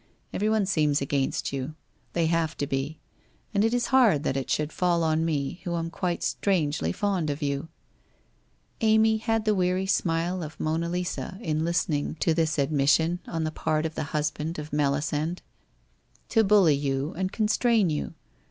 Everyone seems against you. They have to be. And it is hard that it should fall on me, who am quite strangely fond of you ' Amy had the weary smile of Monna Lisa, in listening to this admission on the part of the husband of Melisande. 1 — To bully you and constrain you.